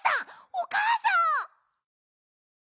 おかあさん！